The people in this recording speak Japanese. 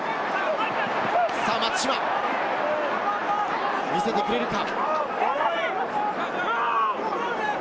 松島、見せてくれるか？